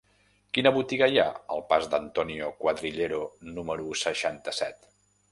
Quina botiga hi ha al pas d'Antonio Cuadrillero número seixanta-set?